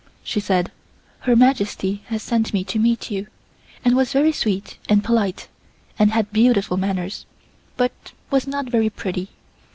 She said: "Her Majesty has sent me to meet you," and was very sweet and polite, and had beautiful manners; but was not very pretty.